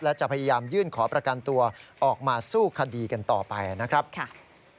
และจะพยายามยื่นขอประกันตัวออกมาสู้คดีกันต่อไปนะครับ